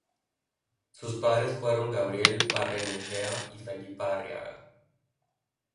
Sus padres fueron Gabriel Barrenechea y Felipa Arriaga.